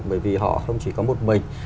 bởi vì họ không chỉ có một mình